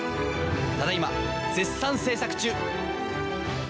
ただいま絶賛制作中！